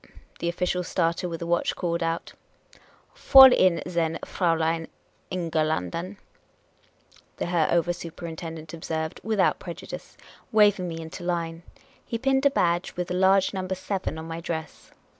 " the official starter with the watch called out. " Fall in, then, Fraulein Englanderin," the Herr Over Superintendent observed, without prejudice, waving me into The Inquisitive American 8i Hue, He pinned a badge with a large number, 7, on my dress.